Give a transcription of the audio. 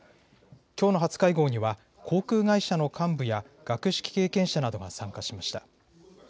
きょうの初会合には航空会社の幹部や学識経験者などが参加しました。